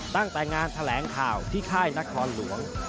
ตั้งแต่งานแถลงข่าวที่ค่ายนครหลวง